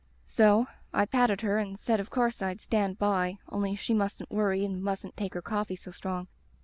"So I patted her and said of course I'd 'stand by,' only she mustn't worry and mustn't take her coffee so strong.